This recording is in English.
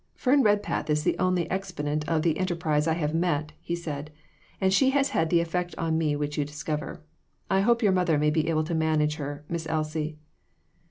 " Fern Redpath is the only exponent of the enter prise I have met," he said; "and she has had the effect on me which you discover. I hope your mother may be able to manage her, Miss Elsie."